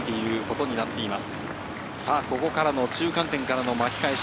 ここからの中間点からの巻き返し。